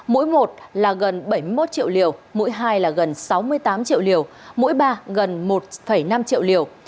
mũi một là gần bảy mươi một triệu liều mũi hai là gần sáu mươi tám triệu liều mũi ba gần một năm triệu liều